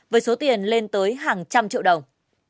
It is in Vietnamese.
với số tiền lên tới hàng trăm triệu đồng